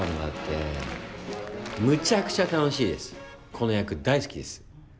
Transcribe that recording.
この役大好きです。